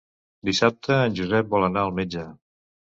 Dissabte en Josep vol anar al metge.